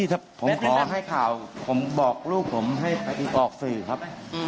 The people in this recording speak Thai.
พี่ครับผมขอให้ข่าวผมบอกลูกผมให้พี่บอกสื่อครับ